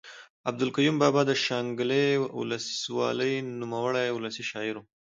عبدالقیوم بابا د شانګلې اولس والۍ نوموړے اولسي شاعر ؤ